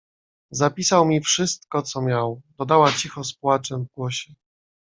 "Zapisał mi wszystko co miał..., dodała cicho z płaczem w głosie."